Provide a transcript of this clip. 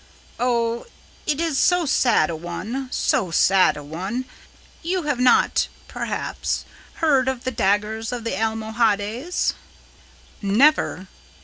"Oh, it is so sad a one! So sad a one! You have not, perhaps heard of the daggers of the Almohades?" "Never."